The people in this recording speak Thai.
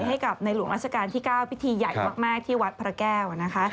ให้กับในหลวงราชการที่๙พิธีใหญ่มากที่วัดพระแก้วนะคะ